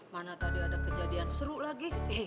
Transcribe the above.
mana tadi ada kejadian seru lagi